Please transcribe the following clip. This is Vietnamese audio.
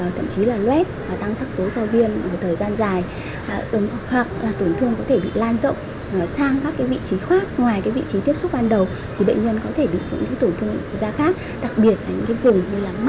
thì tổn thương có thể bị bội nhiễm